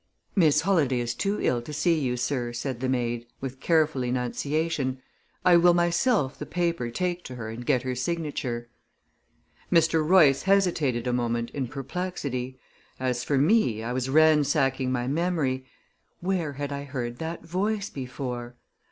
"Miss Holladay is too ill to see you, sir," said the maid, with careful enunciation. "I will myself the paper take to her and get her signature." Mr. Royce hesitated a moment in perplexity. As for me, I was ransacking my memory where had I heard that voice before?